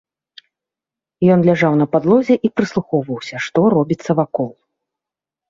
Ён ляжаў на падлозе і прыслухоўваўся, што робіцца вакол.